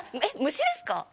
虫ですか？